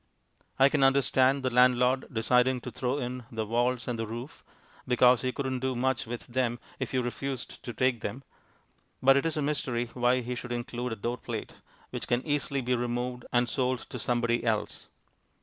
I can understand the landlord deciding to throw in the walls and the roof, because he couldn't do much with them if you refused to take them, but it is a mystery why he should include a door plate, which can easily be removed and sold to somebody else.